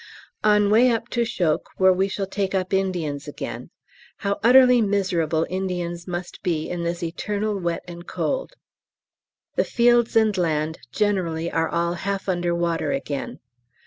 On way up to Chocques, where we shall take up Indians again. How utterly miserable Indians must be in this eternal wet and cold. The fields and land generally are all half under water again.